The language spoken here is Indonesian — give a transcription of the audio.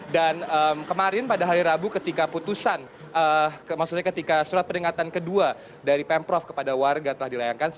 dan kemarin pada hari rabu ketika putusan maksudnya ketika surat peringatan kedua dari pemprov kepada warga telah dilayangkan